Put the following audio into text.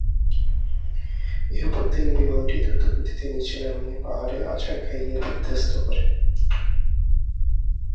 এরপর তিনি বিমানটি দ্রুতগতিতে নিচে নামিয়ে পাহাড়ে আছাড় খাইয়ে বিধ্বস্ত করেন।